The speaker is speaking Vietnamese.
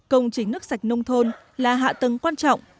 công trình nước sạch nông thôn là hạ tầng quan trọng